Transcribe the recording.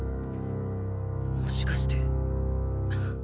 もしかして